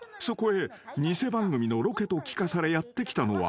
［そこへ偽番組のロケと聞かされやって来たのは］